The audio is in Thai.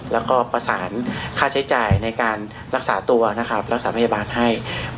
แล้วก็ประสานค่าใช้จ่ายในการรักษาตัวนะครับรักษาพยาบาลให้